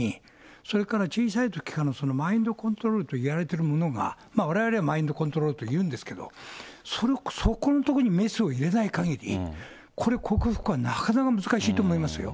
それから小さいときからマインドコントロールといわれているものが、われわれはマインドコントロールというんですけれども、そこのところにメスを入れないかぎり、これ、克服はなかなか難しいと思いますよ。